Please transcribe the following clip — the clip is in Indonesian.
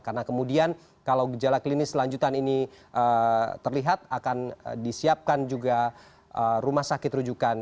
karena kemudian kalau gejala klinis selanjutan ini terlihat akan disiapkan juga rumah sakit rujukan